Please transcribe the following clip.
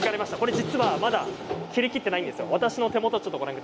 実はこれまだ切りきっていないんですよ。